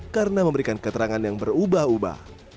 karena memberikan keterangan yang berubah ubah